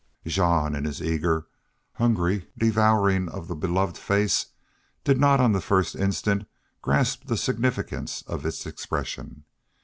Jean, in his eager, hungry devouring of the beloved face, did not on the first instant grasp the significance of its expression.